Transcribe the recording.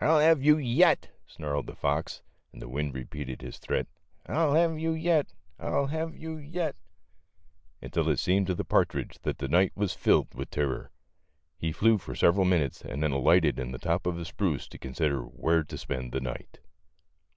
"I'll have you yet," snarled the fox, and the wind repeated his threat, M I '11 have you yet ; I'll have you yet," until it seemed to the partridge that the night was filled vith terror. He flew for several minutes and then alighted in the top of a spruce to consider where to spend the night.